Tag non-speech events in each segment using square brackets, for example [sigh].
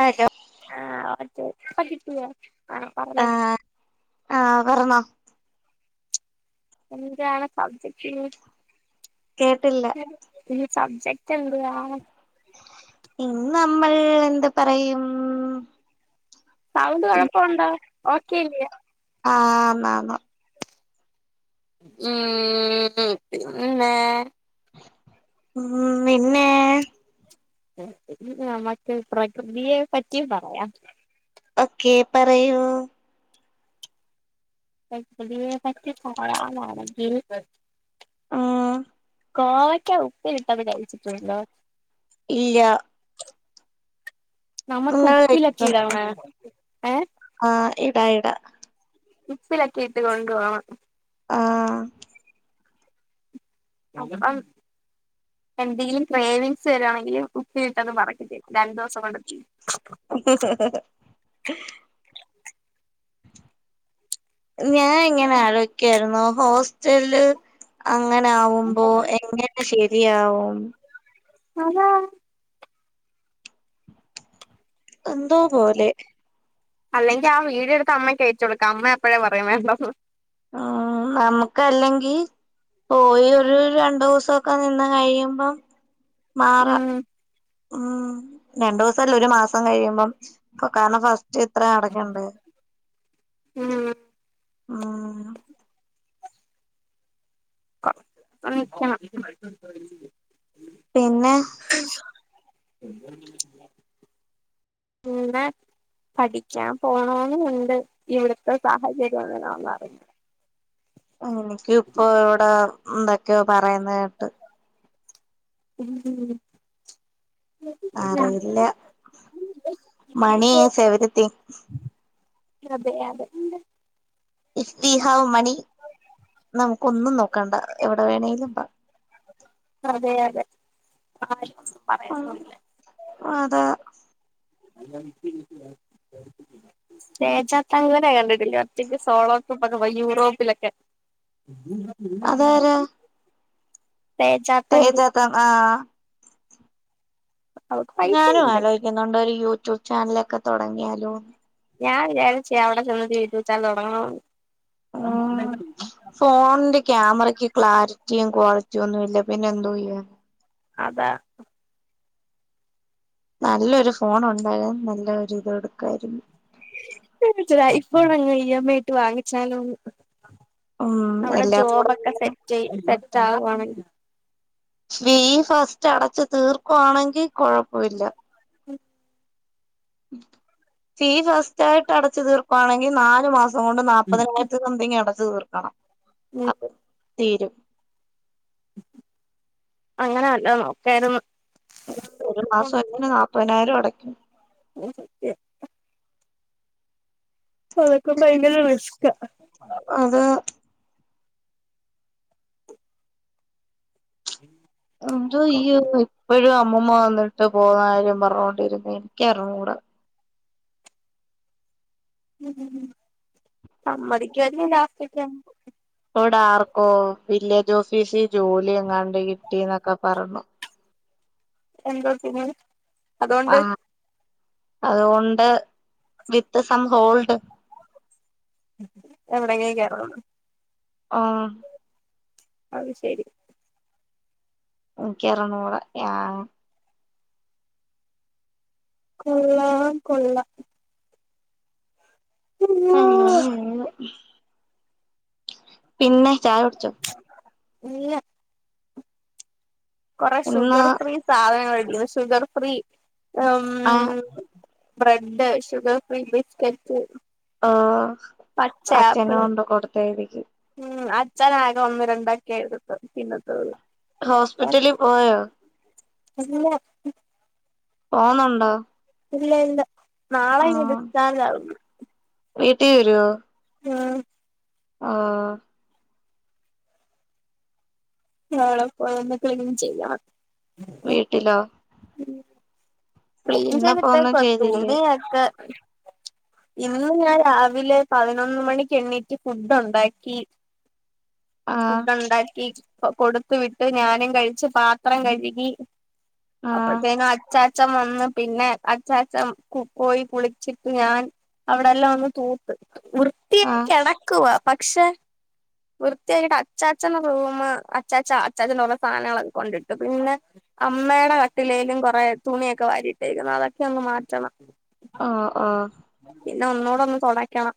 Hello ആഹ് [unintelligible] പ്പ കിട്ടിലെ ആഹ പറഞ്ഞോ ആഹ് ആഹ് പറഞ്ഞോ എന്താണ് സബ്ജെക്ട് കേട്ടില്ല സബ്ജക്ട് എന്തുവാ ഇന്ന് നമ്മൾ എന്തു പറയും സൗണ്ട് കുഴപ്പോണ്ടോ ഒക്കെ അല്ലെ ആ ആ മാമ ഉം പിന്നെ ഉം പിന്നെ മറ്റെ പ്രകൃതിയെ പറ്റി പറയാം ഓക്കേ പറയൂ പ്രകൃതിയെ പറ്റി പറയാനാണെങ്കിൽ മ്മ് കോവയ്ക്ക ഉപ്പിലിട്ടത് കയിച്ചിട്ടുണ്ടോ ഇല്ല നമുക്ക് നിങ്ങൾ ഉപ്പിലൊക്കെ വെച്ചിട്ടുണ്ടോ ഇടണ ഏഹ് എടാ എടാ ഉപ്പിലാക്കി ഇട്ടുകൊണ്ടുവാ ആഹ് എന്തെങ്കിലും ക്രേവിങ്സ് വരിവാണെങ്കിൽ ഉപ്പിലിട്ട്ത് പെറക്കി തരും രണ്ടു ദിവസം കൊണ്ട് തീരും ഞാൻ ഇങ്ങനെ ആലോചിക്കാരുന്നു ഹോസ്റ്റല് ആ അങ്ങനാവുമ്പോ എങ്ങനെ ശെരിയാവും അതാ എന്തോ പോലെ അല്ലെങ്കി ആ വീഡിയോ എടുത്ത് അമ്മക്ക് അയച്ച് കൊടുക്കാം അമ്മ അപ്പോഴേ പറയും വേണ്ടന്ന് മ്മ് നമക്കല്ലെങ്കി പോയി ഉം ഒരു രണ്ടു ദിവസൊക്കെ നിന്ന് കഴിയുമ്പം മാറാ മ്മ് രണ്ടു ദിവസംല്ല ഒരു മാസം കഴിയുമ്പം കാരണം ഫസ്റ്റ് ഇത്ര അടക്കണ്ടെ മ്മ് മ്മ് വിളിക്കണം പിന്നെ പിന്നെ പഠിക്കാൻ പോണംന്നുണ്ട് ഇവിടത്തെ സാഹചര്യം എങ്ങനാന്ന് അറിഞ്ഞു എനക്കും ഇപ്പൊ ഇവിടെ ഉണ്ട് ക്കോ പറയുന്ന കേട്ട് എന്തെങ്കിലും അറിയില്ല മണി ഈസ് എവെര്യ്തിംങ് അതെ അതെ ഇഷ്തിഹവ്വ് മണി നമുക്ക് ഒന്നും നോക്കണ്ട എവിടെ വേണെലും പാം ആഹ് ആഹ് അതെ തേജത്ത് അങ്ങനെ കണ്ടിട്ടില്ല ഒറ്റക്ക് സോളോ ട്രിപ്പൊക്കെ പോയി യൂറോപ്പിലൊക്കെ തേജ തങ്കു തേജകാം ആ അവക്ക് ഞാനും പൈസയുണ്ട് ആലോയിക്കുന്നുണ്ട് ഒരു യൂ ട്യൂബ് ചാനലക്ക തുടങ്ങിയാലോന്ന് ഞാൻ വിചാരിച്ചയ അവിട ചെന്നിട്ട് യൂട്യൂബ് ചാനൽ തുടങ്ങണോന്ന് ക്യാമറയ്ക്ക് ക്ലാരിറ്റിയും ക്വാളിറ്റി ഒന്നുമില്ല പിന്നെ എന്തോ ചെയ്യും അതാ നല്ലൊരു ഫോണുണ്ടാന്നെ നല്ലൊരു ഇത് എടുക്കായിരുന്നു [unintelligible] ഐ ഫോണങ് ഇഎംഐ യിട്ട് വങ്ങിച്ചാലോന്ന് ഉം അവിട എല്ലാം കൂടെ ജോബക്ക സെറ്റെയ് സെ സെറ്റാവുവാണേ ഫീ ഫസ്റ്റടച്ചു തീർക്കുവാണെങ്കി കുഴപ്പവില്ല മ്മ് ഫീ ഫസ്റ്റായിട്ട് അടച്ചു തീർക്കുവാണെങ്കി നാല് മാസ തുകൊണ്ട് നാപ്പതിൽ മൂവായിരത്തി സംതിങ് ഇണ്ട് തീർക്കണം ഉം അത് തീരും അങ്ങന അല്ലാ നോക്കായിരുന്ന് ഒരു മാസം എങ്ങന നപ്പത്തിനായിരം [inaudible] അതൊക്ക പയങ്കര റിസ്കാ അത് എന്തോ ചെയ്യും ഇപ്പോഴത്തെ അമ്മൂമ്മ വന്നിട്ട് പോന്ന കാര്യം പറഞ്ഞിരുന്നെയാ എനിക്കറിഞ്ഞൂടാ സമ്മതികുവാരിക്കും ലാസ്റ്റൊക്കെ ആകുമ്പോ ഇവിടാർക്കോ വില്ലേജോഫീസി ജോലി എങ്ങാണ്ട് കിട്ടിന്നക്ക പറണു എന്തൊത്തിനു അതോണ്ട് അത് കൊണ്ട് വിത്ത് സം ഹോൾഡ് എവിടേങ്കി കേറണോന്ന് ആഹ് അത് ശെരി മ്മ് കേറണോടാ യാ കൊള്ളാം കൊള്ളാം അയ്യോ അയ്യോ പിന്ന ചായ കുടിച്ചോ നീയ്യാ കുറെ ഇന്ന് ഷുഗർ ഫ്രീ സാധനൊണ്ട് ഇതു ഷുഗർ ഫ്രീ ഉം ആ ബ്രെഡ് ഷുഗർ ഫ്രീ ബിസ്ക്കറ്റ് ആ പച്ചആപിൾ ഉം അ ച്ചൻ ആകെ ഒന്ന്‌ രണ്ടാക്കേ ട്ത്ത് തിന്നത്തോളൂ ഹോസ്പിറ്റലി പോയോ ഇല്ല ഉം പോന്നുണ്ടോ ഇല്ല ഇല്ല നാളെ ഇങ്ങ് ഡിസ്ചാർജാവുന്ന് വീട്ടി വരോ ആ ആ നാളെ പ്പോയൊന്ന് ക്ലീൻ ചെയ്യണം വീട്ടിലോ ക്ലിൻ ഇന്നപ്പോ ഒന്നും ചെയ്യാനിട്ടെക്കുവാ ചെയ്തില്ലേ തൂണിയക്കെ ഇന്ന് ഞാൻ രാവിലെ പതിനൊന്ന് മണിക്ക് എണിറ്റ് ഫുഡൊണ്ടാക്കി ആ ഫുഡൊണ്ടാക്കി കൊ കൊട്ത്ത് വിട്ട് ഞാനും കഴിച്ചു പാത്രം കഴുകി ആ അപ്പോഴ്ത്തേങ്ങ് അഛൻ ഛം വന്ന് പിന്നെ അച്ചാച്ചം കു പോയി കുളിച്ചിട്ട് ഞാൻ അവിടെല്ലാം ഒന്ന് തൂത്ത് ആ വൃത്തിയായി കെടക്കുവ പക്ഷെ വൃത്തിയായിട്ട് അച്ചാച്ചന്റെ റൂമ് അച്ചാച്ച അച്ചാച്ചൻ്റൊരോ സാധനങ്ങളൊക്കെ കൊണ്ടിട്ടത് പിന്നെ അമ്മേടെ ക ട്ടിലേലും കുറെ തുണിയൊക്കെ വാരിട്ടേക്കുന്നു അതൊക്കെ ഒന്ന് മാറ്റണം ആ ആ പിന്നെ ഒന്നൂടൊന്ന് തൊടക്കണം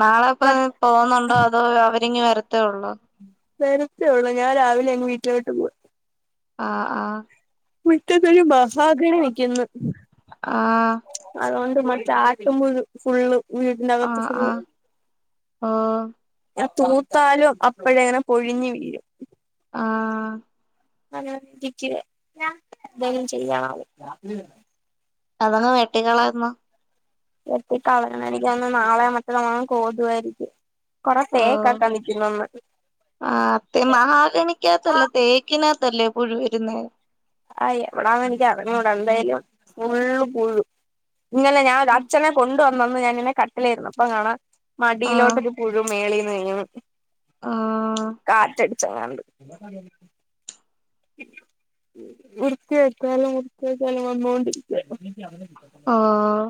നാളെ പൊ പ്പോവുന്നുണ്ടോ അതോ അവര് രിങ്ങി വരത്തേ ഉള്ളൂ വെരത്തേള്ളൂ ഞാൻ രാവിലെ അങ്ങ് വീട്ടിലോട്ട് പോയി ആ ആ മുറ്റത്തൊരു മഹാഗണി നിക്കിന്ന് ആ ചാട്ടുമ്പുഴു ഫുള്ള് ആ വീടിനകത്ത് ഫുള്ള് ആഹ ഓ തൂത്താലും അപ്പഴെങ്ങനെ പൊഴിഞ്ഞ് വീരും ആ ഞാനൊറ്റക്ക് എന്തെലും ചെയ്യാം [inaudible] അതങ്ങ് വെട്ടിക്കളയെന്ന വെട്ടികളയണം എനിക്കാണെ നാളെയോ മറ്റന്നാളോ എങ്ങാനും കോതുവാരിക്കും ആ അത് മഹാഗണിക്കാത്തല്ല തേക്കിനാ ത്തല്ലേ പുഴ വരുന്നേ ആഹ് എവിടാന്ന് എനിക്ക് അറിഞ്ഞൂടാ എന്തായാലും ഫുള്ള് പുഴു ഇന്നലെ ഞാനൊരച്ഛനെ കൊണ്ടുവന്നു വന്ന് ഞാനിങ്ങനെ കാട്ടിലെയിരുന്നപ്പോ കാണാം ആഹ് മടിയിലോട്ടൊരു പുഴു മേളിന്ന് അ [unintelligible] ആഹ് കാറ്റടി ചങ്ങണ്ട് വൃത്തിയാക്കിയാലും വർത്തിയാക്കിയാലും വന്നോണ്ടിരിക്കും ആഹ്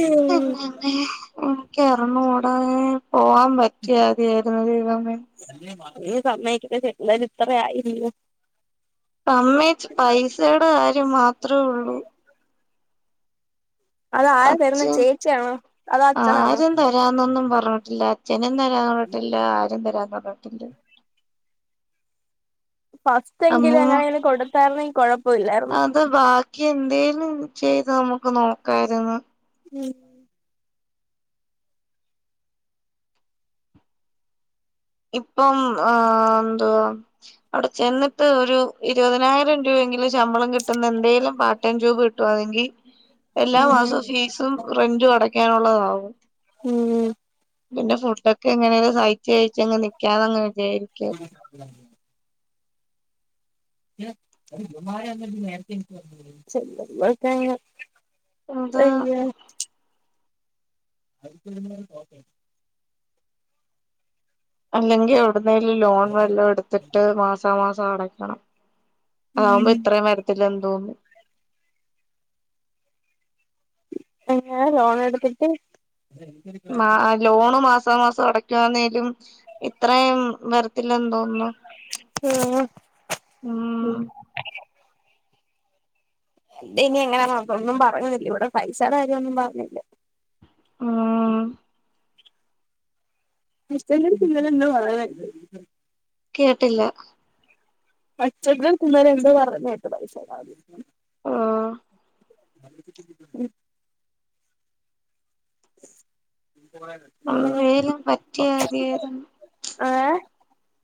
ഇനി ആമ്മേ എനിക്കറിഞ്ഞൂടാ. പോവാൻ പറ്റിയാതിയാരുന്ന് ദൈവമേ ഇ സമ്മയ്ക്കട്ടെ ചെല്ലത് ഇത്ര ആയിരുന്നു സമ്മയിച്ച് പൈസയുടെ കാര്യം മാത്ര അത്രേയുള്ളൂ അത് ആരാ തരുന്നേ അച്ഛൻ ചേച്ചി ആണോ അതോ അച്ഛൻ ആണോ രും തരാന്ന് പറഞ്ഞിട്ടില്ല ആരും തരാന്ന് പറഞ്ഞിട്ടില്ല ഫസ്റ്റ് എങ്കിലും അമ്മൂമ്മ എങ്ങനെയെങ്കിലും കൊടുത്താരുന്നെങ്കി കൊഴപ്പമില്ലായിരുന്നു അത് ബാക്കി എന്തേലും ചെയ്ത് നമുക്ക് നോക്കായിരുന്നു ഉം ഇപ്പം ആ എന്തുവാ അവിടെ ചെന്നിട്ട് ഒരു ഇരുപതിനായിരം രൂപയെങ്കിലും ശമ്പളം കിട്ടുന്ന എന്തേലും പാർടൈം ജോബ് കിട്ടുവാണെങ്കി എല്ലാ ഉം മാസവും ഫീസും റെന്റും അടക്കാനുള്ളതാവും ഉം പിന്നെ ഫുഡൊക്കെ എങ്ങനേലോ സഹായിച്ചേ [unintelligible] നിക്ക്യാതെ [unintelligible] [inaudible] [unintelligible] [unintelligible] അതാ അയ്യോ [inaudible] അല്ലെങ്കി ആ [unintelligible] ലോൺ വല്ലോം എട്ത്തിട്ട് മാസാമാസം അടക്കണം ആവുമ്പേ ഉം ഇത്രേം വരത്തില്ലന്ന് തോന്നി എങ്ങനെ ലോണെട്തിട്ട് ആ ലോണ് മാസാമാസം- തൊടകാനേരും ഇത് റോം പെർ [inaudible] ഇല്ല എന്തോന്ന് ഉം എന്റെ ഇനി എങ്ങനെ ആ ഒന്നും പറ്ഞ്ഞില്ല ഇവിടെ പൈസേടെ കാര്യം ഒന്നും പറഞ്ഞില്ല. മ്മ് നിശ്ചല്ലെ ഇന്നലെ ന്ന് വളകായ് [inaudible] കേട്ടില്ല പച്ചക്ക് കുന്നര എന്തേ പറഞ്ഞേക്ണ് വിസ ആഹ് [unintelligible] അങ്ങനെ വേലും [unintelligible] പറ്റിയാമതിയായിരുന്നു ആ എ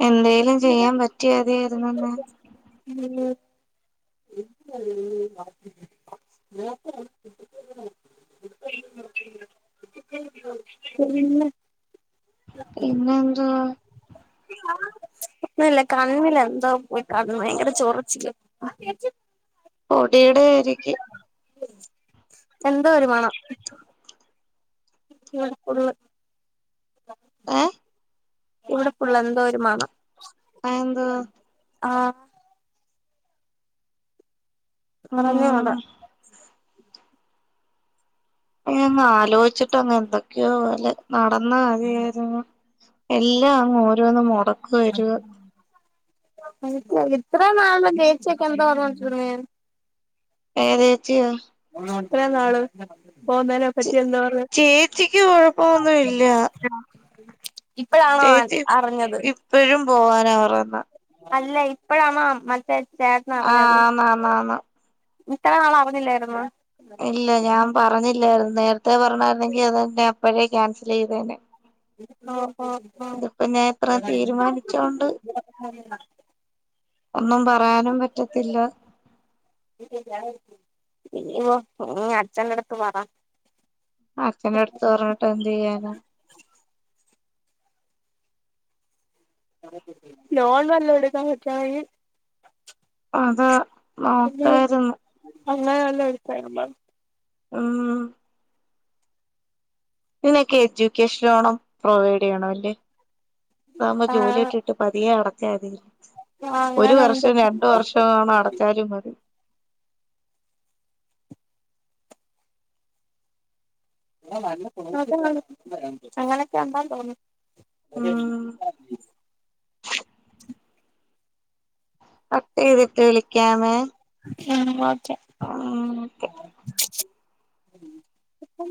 എന്തേലും ചെയ്യാൻ പറ്റിയാ മതിയായിരുന്നു. ഉം [inaudible] പിന്നെ ഇന്ന് ഇന്നെന്താ? ഒന്നുല്യ കണ്ണിലെന്തോ പോയി കണ്ണ് ഭയങ്കര ചൊറിചിൽ പൊടിയടെ ആയിരിക്കും എന്തോ ഒരു മണം ഇവിടെ ഫുള്ള് ഏഹ് പ്പുള്ളെന്തോര്മണം അഎന്താ ആഹ് ആ അറിഞ്ഞൂടാ ഹ് നീ ഒന്ന് ആലോചിച്ചിട്ട്എന്തൊക്കെയോ പോലെ നടന്നമതിയായിരുന്നു എല്ലാം അങ്ങ് ഓരോന്ന് മുടക്കം ഒന്ന് വരുവാ [unintelligible] ഇത്രയും നാളും ചേചി ഒകെ എന്തോ പറയുന്നു ഏത് ചേച്ചി ആ ഇത്രയും നാള് പോന്നേനെ പറ്റി എന്തോ പറഞ്ഞ് ചേച്ചിക്ക് കുഴപ്പമൊന്നും ഇല്ല [inaudible] ചേച്ചി അറിഞ്ഞത് ഇപ്പഴും പോവാനാ പറയുന്നേയ് അല്ല ഇപ്പഴാ മാം മറ്റെ- ആഹ് ആണ് ആണ് ഇത്ര നാള് ആവുന്നില്ലായിരുന്നു ഇല്ല ഞാൻ പറഞ്ഞില്ലായിരുന്നു നേരത്തെ- ത്തെ പറഞ്ഞാരുന്നെങ്കിൽ അതിന്റെ [unintelligible] എപ്പോഴേ ക്യാൻസൽ ചെയ്തേനെ. ഇതിപ്പോ ഞാൻ ഇത്ര ആഹ തീരുമാനിച്ചോണ്ട് [inaudible] ഒന്നും പറയാനും പറ്റത്തില്ല ഈ അച്ഛന്റെ അടുത്ത് പറ. അച്ഛന്റെ അടുത്ത് പറഞ്ഞിട്ട് എന്ത് ചെയ്യാനാ? ലോൺ വല്ലതും എടുക്കാൻ പറ്റാണങ്കിൽ അത് നോക്കായിരുന്നു. [unintelligible] ഉം ഇതിനൊക്കെ എഡ്യൂക്കേഷൻ ലോണും പ്രൊവൈഡ് ചെയ്യണമല്ലേ? അതാകുമ്പോ ജോലി ആഹ് കിട്ടീട്ട് പതിയെ അടച്ചാമതി ആഹ് ഒരു അങ്ങനുണ്ട് വർഷം രണ്ടു വർഷവാണ അടച്ചാലും മതി. [unintelligible] അ [inaudible] ഉം കട്ട് ചെയ്തിട്ട് വിളിക്കാമേ. ഉം [unintelligible] ഉം ക്കെ ഇപ്പം